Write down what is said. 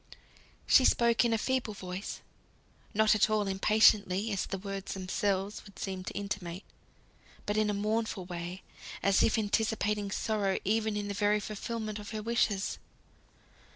She spoke in a feeble voice; not at all impatiently, as the words themselves would seem to intimate, but in a mournful way, as if anticipating sorrow even in the very fulfilment of her wishes.